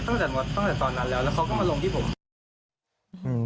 ตั้งแต่ตั้งแต่ตอนนั้นแล้วแล้วเขาก็มาลงที่ผม